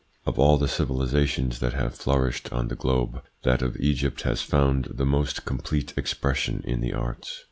Of all the civilisations that have flourished on the globe, that of Egypt has found the most complete expression in the arts.